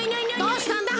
どうしたんだ？